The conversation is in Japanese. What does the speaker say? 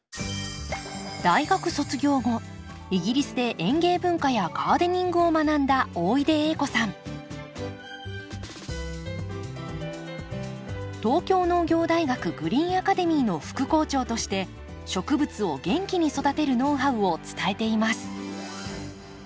大学卒業後イギリスで園芸文化やガーデニングを学んだ東京農業大学グリーンアカデミーの副校長として植物を元気に育てるノウハウを伝えています。